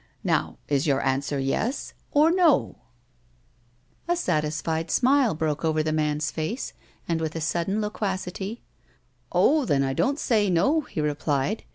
Now is your answer yes or no ?" A WOMAN'S LIFE. 133 A satisfied smile broke over the man's face, and, with a sudden loquacity :" Oh, then, I don't say no," he replied.